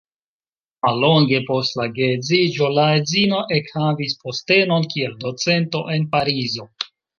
Mallonge post la geedziĝo la edzino ekhavis postenon kiel docento en Parizo.